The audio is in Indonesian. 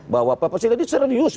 bahwa pak presiden ini serius